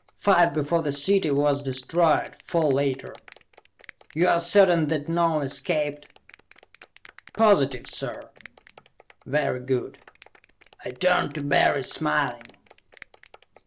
"Five before the city was destroyed, four later." "You are certain that none escaped?" "Positive, sir." "Very good." I turned to Barry, smiling.